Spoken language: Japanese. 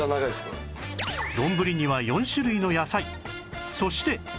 どんぶりには４種類の野菜そして